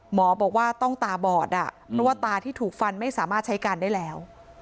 หมอบอกว่าต้องตาบอดอ่ะเพราะว่าตาที่ถูกฟันไม่สามารถใช้การได้แล้ว